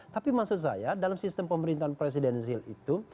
tapi maksud saya dalam sistem pemerintahan presidensil itu